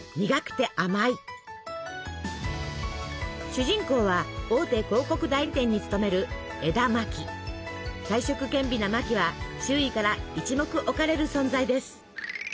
主人公は大手広告代理店に勤める才色兼備なマキは周囲から一目置かれる存在です。